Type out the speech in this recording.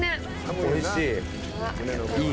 おいしい。